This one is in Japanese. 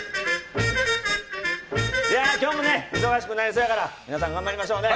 いや今日もね、忙しくなりそうだから、皆さん頑張りましょうね。